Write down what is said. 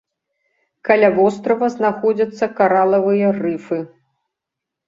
Каля вострава знаходзяцца каралавыя рыфы.